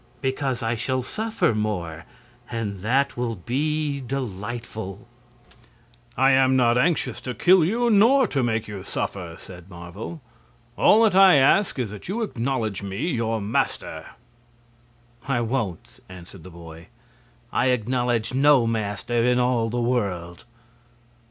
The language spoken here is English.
"Because I shall suffer more, and that will be delightful." "I am not anxious to kill you, nor to make you suffer," said Marvel, "all that I ask is that you acknowledge me your master." "I won't!" answered the boy. "I acknowledge no master in all the world!"